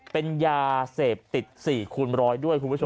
เป็นยาเสพติด๔คูณร้อยด้วยคุณผู้ชม